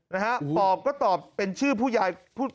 นะฮะปอบก็ตอบเป็นชื่อผู้ยายพูด